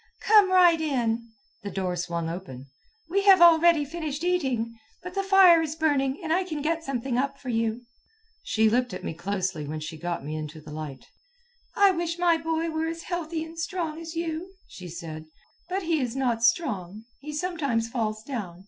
"Come right in." The door swung open. "We have already finished eating, but the fire is burning and I can get something up for you." She looked at me closely when she got me into the light. "I wish my boy were as healthy and strong as you," she said. "But he is not strong. He sometimes falls down.